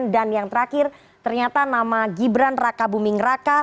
dan yang terakhir ternyata nama gibran raka buming raka